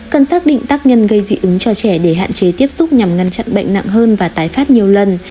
cần xác định tác nhân gây dị ứng cho trẻ để hạn chế tiếp xúc nhằm ngăn chặn bệnh nặng hơn và tái phát nhiều lần